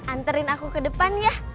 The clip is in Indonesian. anterin aku kedepan ya